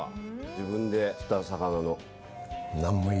自分で釣った魚の。